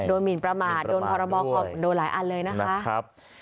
หมินประมาทโดนพรบคอโดนหลายอันเลยนะคะ